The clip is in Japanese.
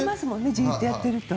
ずっとやってると。